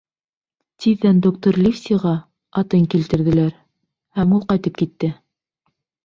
Тиҙҙән доктор Ливсиға атын килтерҙеләр, һәм ул ҡайтып китте.